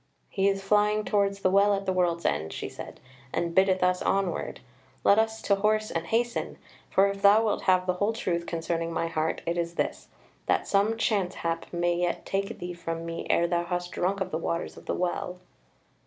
"He is flying towards the Well at the World's End," she said, "and biddeth us onward: let us to horse and hasten: for if thou wilt have the whole truth concerning my heart, it is this, that some chance hap may yet take thee from me ere thou hast drunk of the waters of the Well."